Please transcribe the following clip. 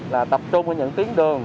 là tập trung ở những tiến đường